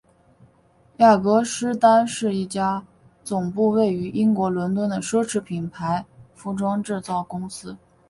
雅格狮丹是一家总部位于英国伦敦的奢侈品牌服装制造公司。